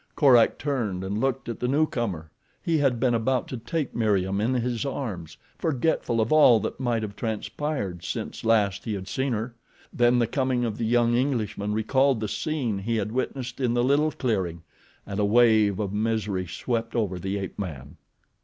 Korak turned and looked at the new comer. He had been about to take Meriem in his arms, forgetful of all that might have transpired since last he had seen her. Then the coming of the young Englishman recalled the scene he had witnessed in the little clearing, and a wave of misery swept over the ape man.